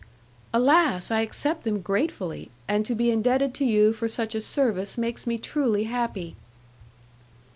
"Alas! I accept them gratefully, and to be indebted to you for such a service makes me truly happy."